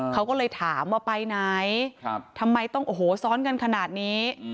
เขาก็เลยถามว่าไปไหนทำไมต้องโอ้โหซ้อนกันขนาดนี้